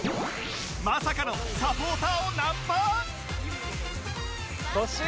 まさかのサポーターをナンパ？